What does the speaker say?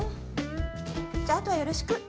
じゃああとはよろしく。